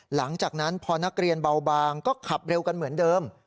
หลังจากนั้นพอนักเรียนเบาบางก็ขับเร็วกันเหมือนเดิม